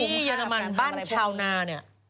ที่ยังไงมันบ้านชาวหนาเนี่ย